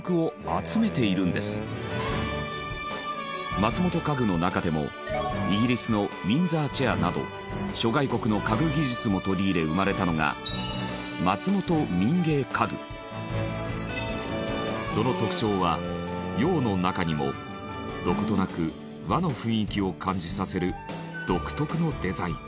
松本家具の中でもイギリスのウィンザーチェアなど諸外国の家具技術も取り入れ生まれたのがその特徴は洋の中にもどことなく和の雰囲気を感じさせる独特のデザイン。